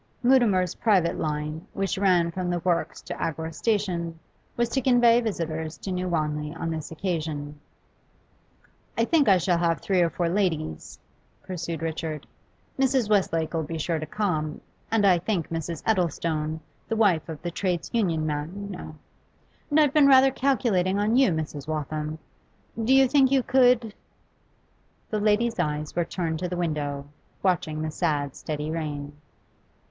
Mutimer's private line, which ran from the works to Agworth station, was to convey visitors to New Wanley on this occasion. 'I think I shall have three or four ladies,' Richard pursued 'Mrs. Westlake 'll be sure to come', and I think Mrs. Eddlestone the wife of the Trades Union man, you know. And I've been rather calculating on you, Mrs. Waltham; do you think you could ?' The lady's eyes were turned to the window, watching the sad steady rain.